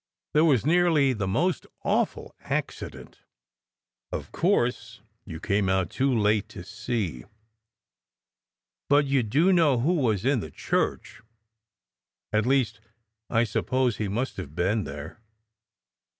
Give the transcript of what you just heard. "There was nearly the most awful accident. Of course you came out too late to see. But you do know who was in the church? at least, I suppose he must have been there."